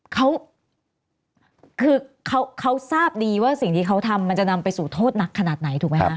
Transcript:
เขาคือเขาทราบดีว่าสิ่งที่เขาทำมันจะนำไปสู่โทษหนักขนาดไหนถูกไหมคะ